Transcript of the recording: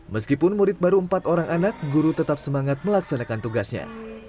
meskipun murid baru empat orang anak guru tetap semangat melaksanakan tugasnya